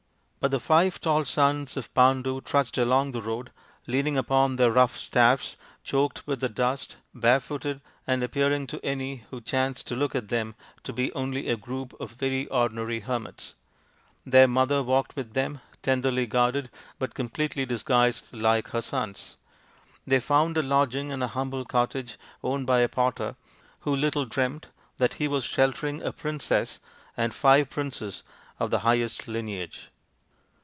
But the five tall sons of Pandu trudged along the road, leaning upon their THE FIVE TALL SONS OF PANDU 79 rough staffs, choked with the dust, barefooted, and appearing to any who chanced to look at them to be only a group of very ordinary hermits. Their mother walked with them, tenderly guarded, but completely disguised like her sons. They found a lodging in a humble cottage owned by a potter, who little dreamt that he was sheltering a princess and five princes of the highest lineage.